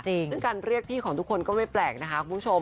ซึ่งการเรียกพี่ของทุกคนก็ไม่แปลกนะคะคุณผู้ชม